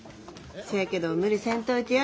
せやけど無理せんといてや。